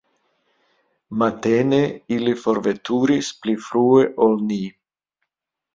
Matene ili forveturis pli frue ol ni.